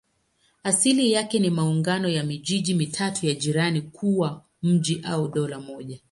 Asili yake ni maungano ya miji mitatu ya jirani kuwa mji au dola moja.